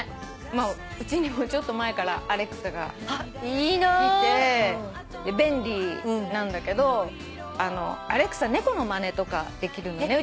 うちにもちょっと前からＡｌｅｘａが来て便利なんだけどＡｌｅｘａ猫のまねとかできるのね。